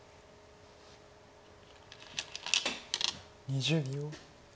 ２０秒。